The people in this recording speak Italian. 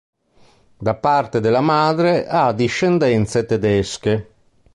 Da parte della madre ha discendenze tedesche.